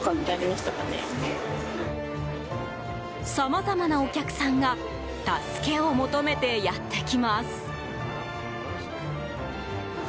さまざまなお客さんが助けを求めてやってきます。